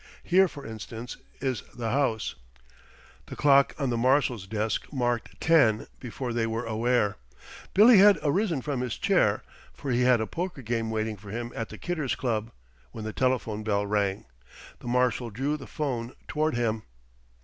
Here, for instance, is the house " The clock on the Marshal's desk marked ten before they were aware. Billy had arisen from his chair, for he had a poker game waiting for him at the Kidders' Club, when the telephone bell rang. The Marshal drew the 'phone toward him.